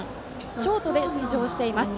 ショートで出場しています。